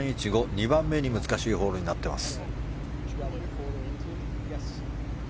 ２番目に難しいホールになっています。